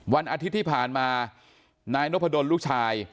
วันอาทิตย์ที่ผ่านมานายนพดลลูกชาย